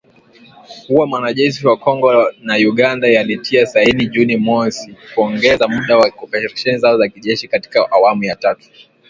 kuwa majeshi ya Kongo na Uganda yalitia saini Juni mosi kuongeza muda wa operesheni zao za kijeshi katika awamu ya tatu